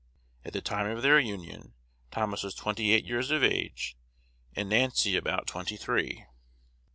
At the time of their union, Thomas was twenty eight years of age, and Nancy about twenty three.